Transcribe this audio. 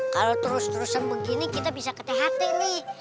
kalau terus terusan begini kita bisa ketah hati ini